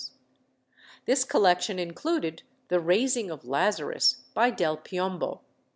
This collection included "The Raising of Lazarus," by Del Piombo.